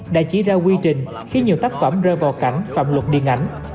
đã chỉ ra quy trình khi nhiều tác phẩm rơi vào cảnh phạm luật điện ảnh